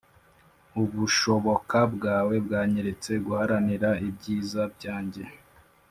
ubushoboka bwawe bwanyeretse guharanira ibyiza byanjye.